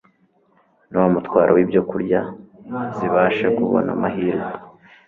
na wa mutwaro wibyokurya zibashe kubona amahirwe